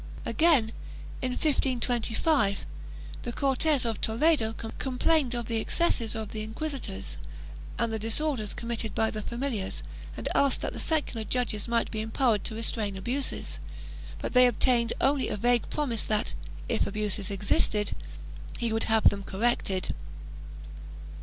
Again, in 1525, the Cortes of Toledo complained of the excesses of the inquisitors and the disorders committed by the familiars and asked that the secular judges might be empowered to restrain abuses, but they obtained only a vague promise that, if abuses existed, he would have them corrected.